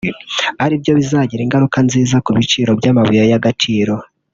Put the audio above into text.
aribyo bizagira ingaruka nziza ku biciro by’amabuye y’agaciro